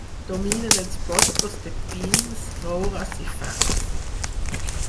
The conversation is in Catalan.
Dominen els boscos de pins, roures i faigs.